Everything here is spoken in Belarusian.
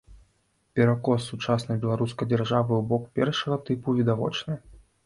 Перакос сучаснай беларускай дзяржавы ў бок першага тыпу відавочны.